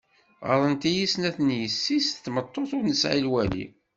Ɣaḍent-iyi snat yessi-s, d tmeṭṭut ur nesɛi lwali.